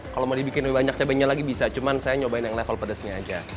kalau mau dibikin lebih banyak cobanya lagi bisa cuma saya nyobain yang level pedasnya aja